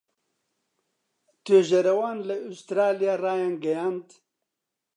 توێژەرەوان لە ئوسترالیا ڕایانگەیاند